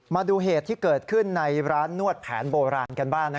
มาดูเหตุที่เกิดขึ้นในร้านนวดแผนโบราณกันบ้าง